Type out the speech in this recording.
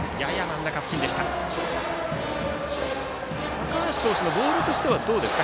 高橋投手のボールとしてはどうですか。